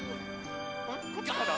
こっちかな？